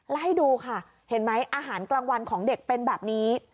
และให้ดูค่ะเห็นไหมอาหารกลางวันของเด็กเป็นแบบนี้